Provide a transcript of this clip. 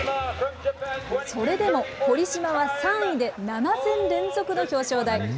それでも堀島は３位で７戦連続の表彰台。